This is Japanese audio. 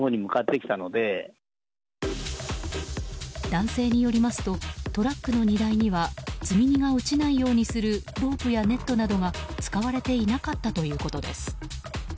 男性によりますとトラックの荷台には積み荷が落ちないようにするロープやネットなどは使われていなかったということです。